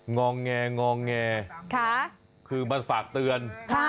ง้องแงง้องแงคือมาฝากเตือนค่ะ